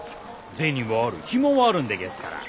銭はある暇はあるんでげすから。